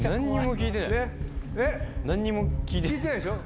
聞いてないでしょ？